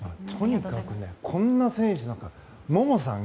とにかくこんな選手萌々さん